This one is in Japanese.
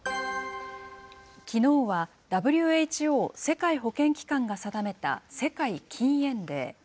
きのうはＷＨＯ・世界保健機関が定めた世界禁煙デー。